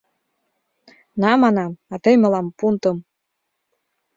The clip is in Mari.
«На, — манам, — а тый мылам пунтым!»